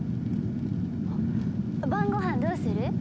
あっ晩ご飯どうする？